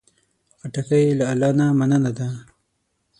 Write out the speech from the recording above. خټکی له الله نه مننه ده.